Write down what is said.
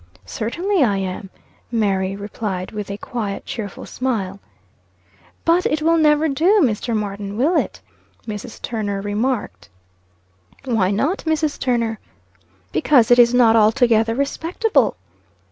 "Certainly I am," Mary replied, with a quiet, cheerful smile. "But it never will do, Mr. Martin, will it?" Mrs. Turner remarked. "Why not, Mrs. Turner?" "Because, it is not altogether respectable."